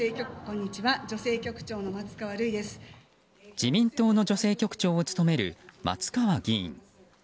自民党の女性局長を務める松川議員。